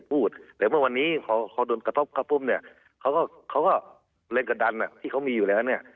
เพราะวันนี้เขาโดนกระทบกระปุ้มเนี่ยเขาก็เล็กกับดันที่เขามีอยู่แล้วเนี่ย